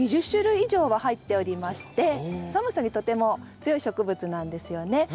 ２０種類以上は入っておりまして寒さにとても強い植物なんですよね。